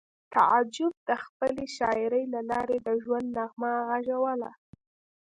تعجب د خپلې شاعرۍ له لارې د ژوند نغمه غږوله